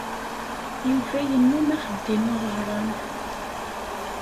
Yuba yennum axeddim aweɛṛan.